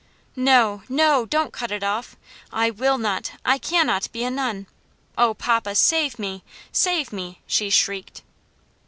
"No, no, don't cut it off. I will not, I cannot be a nun! Oh, papa, save me! save me!" she shrieked.